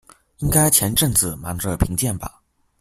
應該前陣子忙著評鑑吧